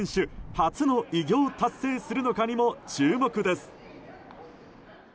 初の偉業達成するのかにも注目です。